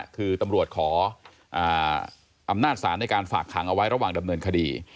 คือตำรวจขออำนาจศาลในการฝากขังเอาไว้ระหว่างดำเนินคดี